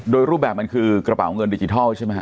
โดยรูปแบบมันคือกระเป๋าเงินดิจิทัลใช่ไหมฮ